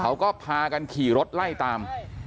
เขาก็พากันขี่รถไล่ตาม